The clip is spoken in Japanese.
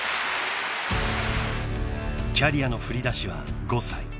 ［キャリアの振り出しは５歳］